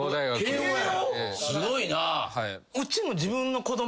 すごいな。